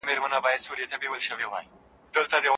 د پوهني په رڼا کي انسان خپل دوست پېژني.